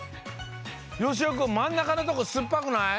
よしおくんまんなかのとこすっぱくない？